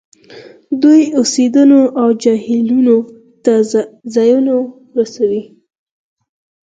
دوی سیندونو او جهیلونو ته ځانونه رسوي